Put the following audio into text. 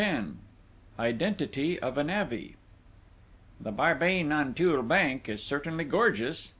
X IDENTITY OF A NAVVY "The Barbey Nanteuil bank is certainly gorgeous!"